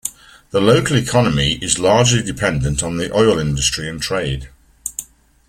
The local economy is largely dependent on the oil industry and trade.